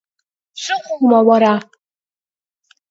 Шәыҟоума, уара?!